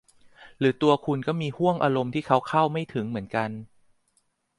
หรือตัวคุณก็มีห้วงอารมณ์ที่เขาเข้าไม่ถึงเหมือนกัน